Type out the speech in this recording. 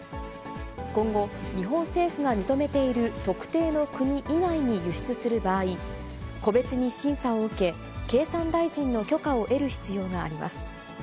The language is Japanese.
今後、日本政府が認めている特定の国以外に輸出する場合、個別に審査を受け、経産大臣の許可を得る必要があります。